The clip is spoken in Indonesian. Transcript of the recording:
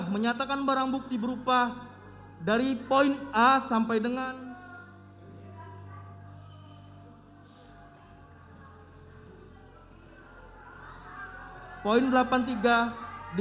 menyatakan barang bukti berupa dari poin a sampai dengan